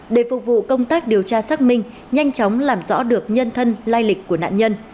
để phục vụ công tác điều tra xác minh nhanh chóng làm rõ được nhân thân lai lịch của nạn nhân